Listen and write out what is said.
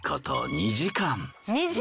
２時間！